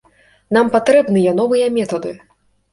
Нам патрэбныя новыя метады.